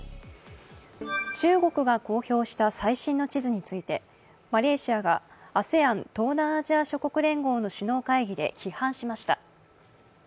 中国が公表した最新の地図についてマレーシアがＡＳＥＡＮ＝東南アジア諸国連合の首脳会議で批判しました。